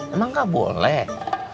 emang gak boleh